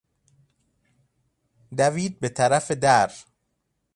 دوید به طرف در.